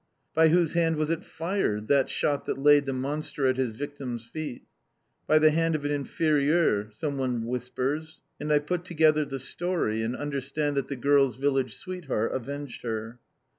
By whose hand was it fired, that shot that laid the monster at his victim's feet? "By the hand of an inferieur!" someone whispers. And I put together the story, and understand that the girl's village sweetheart avenged her.